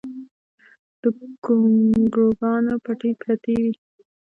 د ګونګروګانو پټۍ پرتې وې